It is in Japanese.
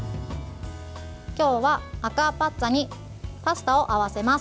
今日はアクアパッツァにパスタを合わせます。